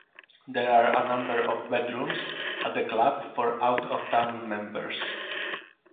There are a number of bedrooms at the club for out-of-town members.